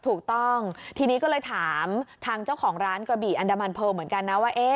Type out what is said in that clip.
ถูกต้องทีนี้ก็เลยถามทางเจ้าของร้านกระบี่อันดามันเพอร์เหมือนกันนะว่า